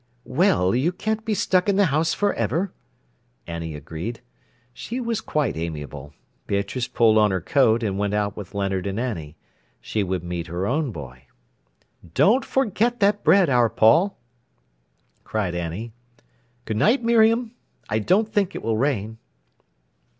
"Well, you can't be stuck in the house for ever," Annie agreed. She was quite amiable. Beatrice pulled on her coat, and went out with Leonard and Annie. She would meet her own boy. "Don't forget that bread, our Paul," cried Annie. "Good night, Miriam. I don't think it will rain."